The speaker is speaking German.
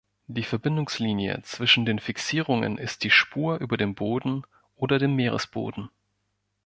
Die Verbindungslinie zwischen den Fixierungen ist die Spur über dem Boden oder dem Meeresboden.